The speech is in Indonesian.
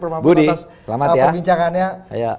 prof mahfud atas perbincangannya budi selamat ya